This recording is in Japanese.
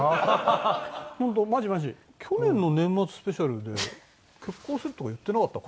本当マジマジ」「去年の年末スペシャルで結婚するとか言ってなかった？